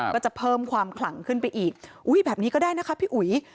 ก็จะเพิ่มความขลังขึ้นไปอีกอุ้ยแบบนี้ก็ได้นะคะพี่อุ๋ย